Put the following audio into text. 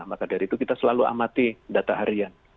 maka dari itu kita selalu amati data harian